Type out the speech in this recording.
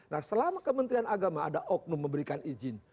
nah selama kementerian agama ada oknum memberikan izin